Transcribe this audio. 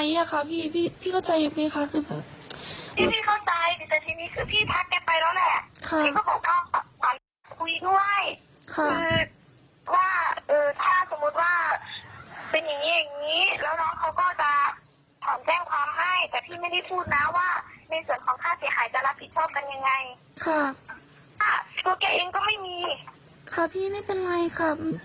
แล้วค่อนข้างจารย์จะเข้ายิ่งจากสถานีหลังแล้ว